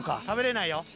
食べれないよ。